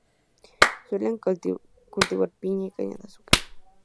Suelen cultivar piña y caña de azúcar.